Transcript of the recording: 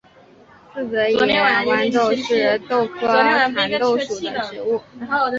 四籽野豌豆是豆科蚕豆属的植物。